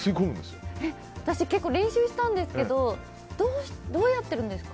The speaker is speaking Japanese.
私、結構練習したんですけどどうやってるんですか。